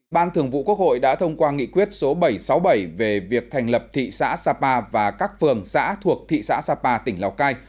ban thường vụ quốc hội đã thông qua nghị quyết số bảy trăm sáu mươi bảy về việc thành lập thị xã sapa và các phường xã thuộc thị xã sapa tỉnh lào cai